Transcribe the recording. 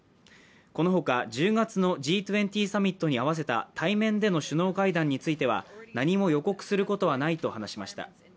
この他、１０月のＧ２０サミットに合わせた対面での首脳会談については、何も予告することはないと話しました。